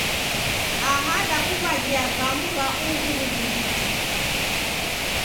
Aha dakuw'aghia ghamu gha ughu w'urighiti.